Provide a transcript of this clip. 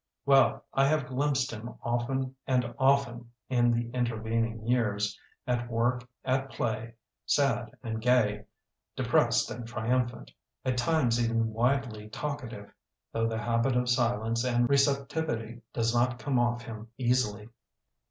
Well, I have glimpsed him often and often in the intervening years, at work, at play, sad and gay, depressed and triumphant — at times even widely talkative, though the habit of silence and receptivity does not come off him easily.